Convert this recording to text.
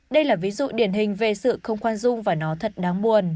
đây là ví dụ điển hình về sự không khoan dung và nó thật đáng buồn